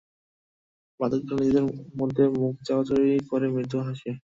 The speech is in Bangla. বাদকরা নিজেদের মধ্যে মুখ চাওয়াচাওয়ি করে মৃদু হাসে।